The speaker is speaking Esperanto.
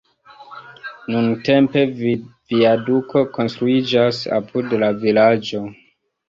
Nuntempe viadukto konstruiĝas apud la vilaĝo.